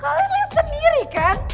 kalian liat sendiri kan